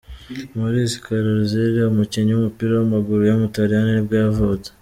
Moris Carrozzieri, umukinnyi w’umupira w’amaguru w’umutaliyani nibwo yavutse.